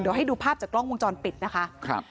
เดี๋ยวให้ดูภาพจากกล้องวงจรปิดนะคะ